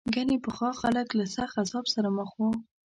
ګنې پخوا خلک له سخت عذاب سره مخ وو.